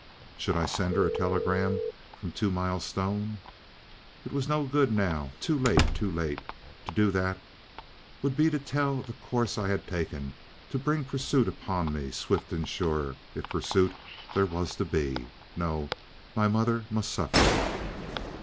.... Should I send her a telegram from Two Mile Stone? It was no good now; too late, too late. To do that would be to tell the course I had taken, to bring pursuit upon me, swift and sure, if pursuit there was to be. No. My mother must suffer!